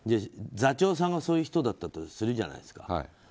座長さんがそういう人だったとするじゃないですか。